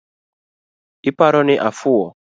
Iparo ni afuwo?